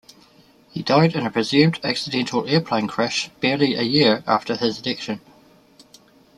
He died in a presumed accidental airplane crash barely a year after his election.